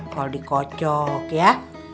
kalo dikocok ya